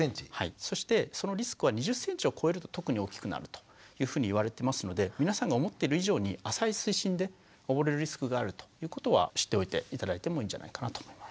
そしてそのリスクは２０ｃｍを超えると特に大きくなるというふうにいわれてますので皆さんが思ってる以上に浅い水深で溺れるリスクがあるということは知っておいて頂いてもいいんじゃないかなと思います。